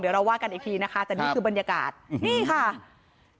เดี๋ยวเราว่ากันอีกทีนะคะแต่นี่คือบรรยากาศนี่ค่ะ